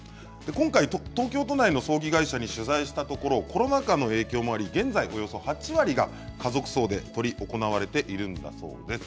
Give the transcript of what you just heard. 今回、東京都内の葬儀会社に取材したところコロナ禍の影響もあり、現在およそ８割が家族葬で執り行われているんだそうです。